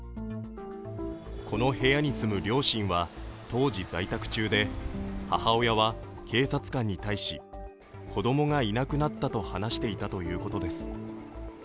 この部屋に住む両親は当時在宅中で母親は、警察官に対し子供がいなくなったと話していたということです。